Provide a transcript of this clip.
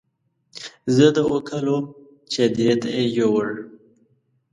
زه د اوو کالو وم چې هدیرې ته یې یووړ.